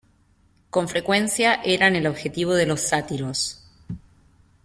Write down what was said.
Con frecuencia eran el objetivo de los sátiros.